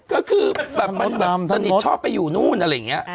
ก็คือแบบมันแบบสนิทชอบไปอยู่นู่นอะไรอย่างนี้